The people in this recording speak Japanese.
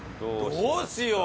どうしよう？